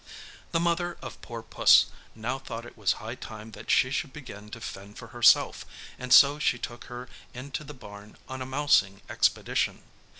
The mother of poor Puss now thought it was high time that she should begin to fend for herself, and so she took her into the barn on a mousing expedition.